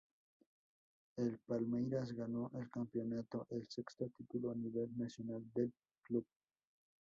El Palmeiras ganó el campeonato, el sexto título a nivel nacional del club.